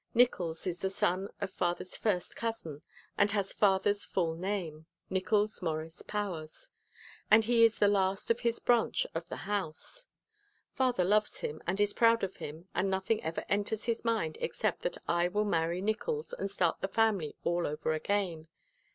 Nickols is the son of father's first cousin, and has father's full name, Nickols Morris Powers, and he is the last of his branch of the house. Father loves him and is proud of him and nothing ever enters his mind except that I will marry Nickols and start the family all over again.